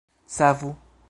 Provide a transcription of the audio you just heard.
savu